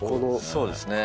そうですね。